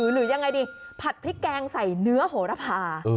หรือยังไงดีผัดพริกแกงใส่เนื้อโหระพา